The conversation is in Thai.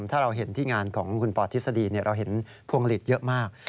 ถ้าเราเห็นที่งานของคุณปอทฤษฎีเราเห็นพวงหลีดเยอะมาก